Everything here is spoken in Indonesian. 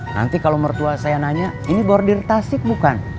nanti kalau mertua saya nanya ini bordir tasik bukan